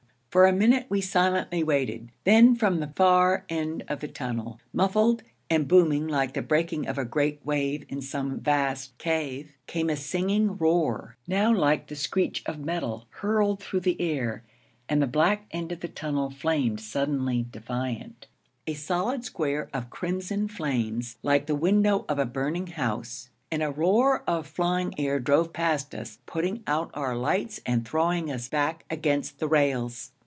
For a minute we silently waited. Then, from the far end of the tunnel, muffled and booming like the breaking of a great wave in some vast cave, came a singing roar, now like the screech of metal hurled through the air, and the black end of the tunnel flamed suddenly defiant; a solid square of crimson flames, like the window of a burning house; and a roar of flying air drove past us, putting out our lights and throwing us back against the rails.